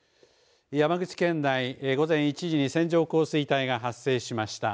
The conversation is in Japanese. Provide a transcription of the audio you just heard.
山口県内、午前１時に線状降水帯が発生しました。